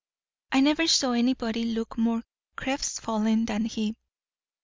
I never saw anybody look more crestfallen than he.